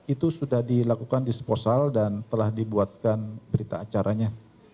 itu sudah dilakukan disposal dan telah dibuatkan berita acaranya